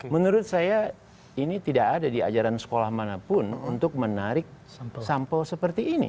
menurut saya ini tidak ada di ajaran sekolah manapun untuk menarik sampel seperti ini